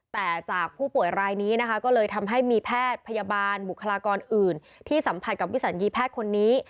แต่จากผู้ป่วยรายนี้นะคะก็เลยทำให้มีแพทย์พยาบาลบุคลากรอื่นที่สัมผัสกับวิสัญญีแพทย์คนนี้